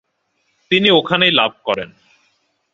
তিনি ওখানেই লাভ করেন।